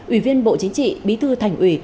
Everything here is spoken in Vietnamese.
ủy viên bộ chính trị bí thư thành ủy